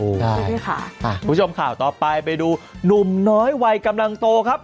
สวัสดีค่ะคุณผู้ชมข่าวต่อไปไปดูหนุ่มน้อยวัยกำลังโตครับ